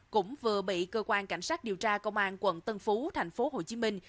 cũng vừa bị cơ quan cảnh sát điều tra công an quận tân phú thành phố hồ chí minh